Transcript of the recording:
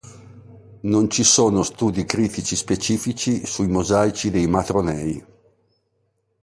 Non ci sono studi critici specifici sui mosaici dei matronei.